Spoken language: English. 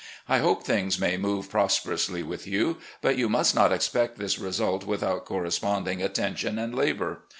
I hope things may move prosperously with you, but you must not expect this result without corresponding atten tion and labour.